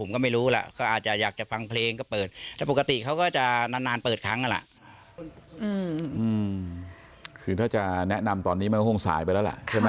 คือถ้าจะแนะนำตอนนี้ไหว่ฮ่งสายไปแล้วแหละ